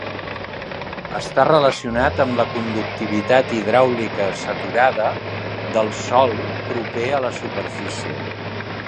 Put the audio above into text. Està relacionat amb la conductivitat hidràulica saturada del sòl proper a la superfície.